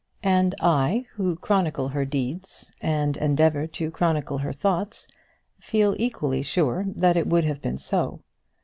And I, who chronicle her deeds and endeavour to chronicle her thoughts, feel equally sure that it would have been so.